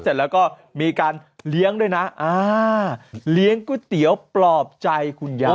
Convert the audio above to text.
เสร็จแล้วก็มีการเลี้ยงด้วยนะอ่าเลี้ยงก๋วยเตี๋ยวปลอบใจคุณยาย